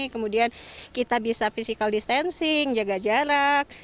kemudian kita bisa physical distancing jaga jarak